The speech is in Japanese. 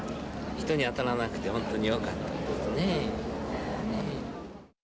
人に当たらなくて本当によかったですね。